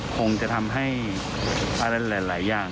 คงจะทำให้อะไรหลายอย่าง